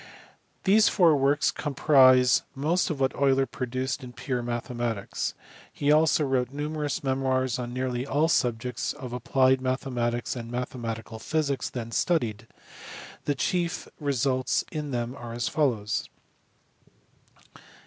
These four works comprise most of what Euler produced in pure mathematics. He also wrote numerous memoirs on nearly all the subjects of applied mathematics and mathematical physics then studied : the chief results in them are as follows.